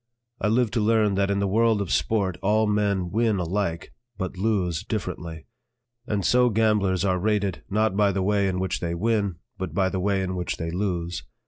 I lived to learn that in the world of sport all men win alike, but lose differently; and so gamblers are rated, not by the way in which they win, but by the way in which they lose.